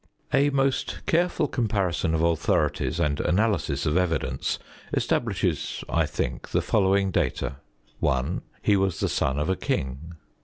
A most careful comparison of authorities and analysis of evidence establishes, I think, the following data: 1. He was the son of a king.